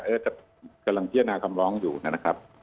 เอ๊ะจะกำลังพญาณาคำร้องอยู่นะครับ